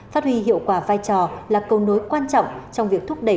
phát huy hiệu quả vai trò là cầu nối quan trọng trong việc thúc đẩy